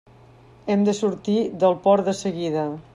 Hem de sortir del port de seguida.